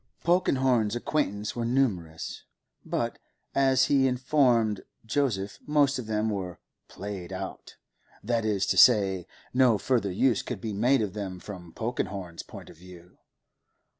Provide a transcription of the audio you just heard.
Polkenhorne's acquaintances were numerous, but, as he informed Joseph, most of them were 'played out,' that is to say, no further use could be made of them from Polkenhorne's point of view.